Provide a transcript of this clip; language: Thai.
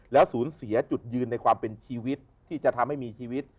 แล้วสูญเสียจุดยืนในความเป็นชีวิตที่จะทำให้มีชีวิต